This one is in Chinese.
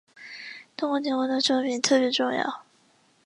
冬宫提供的作品特别重要。